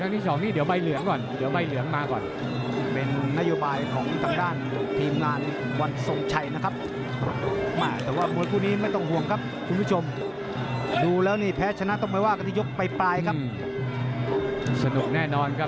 เตือนครั้งที่๒แล้วมีครั้งที่๓ต้องไล่ลงเลยครับ